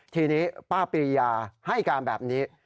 ทีนี้ป้าปริยาให้การแบบนี้